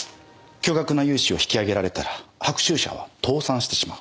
巨額な融資を引き上げられたら白秋社は倒産してしまう。